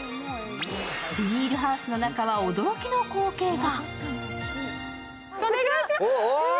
ビニールハウスの中は驚きの光景が。